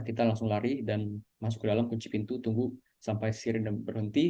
kita langsung lari dan masuk ke dalam kunci pintu tunggu sampai sirine berhenti